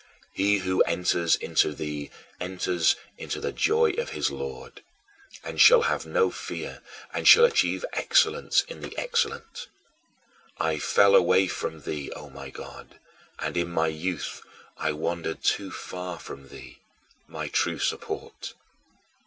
He who enters into thee enters into the joy of his Lord, and shall have no fear and shall achieve excellence in the Excellent. I fell away from thee, O my God, and in my youth I wandered too far from thee, my true support.